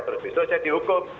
terus besok saya dihukum